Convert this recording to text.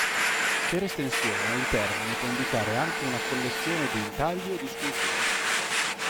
Per estensione il termine può indicare anche una collezione di intagli o di sculture.